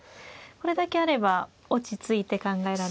これだけあれば落ち着いて考えられますか。